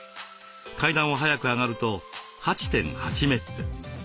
階段を速く上がると８．８メッツ。